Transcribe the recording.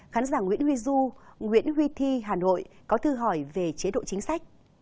khán giả nguyễn huy du nguyễn huy thi hà nội có thư hỏi về chế độ chính sách